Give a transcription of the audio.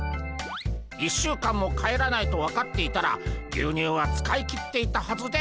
１週間も帰らないと分かっていたら牛乳は使い切っていったはずでゴンス。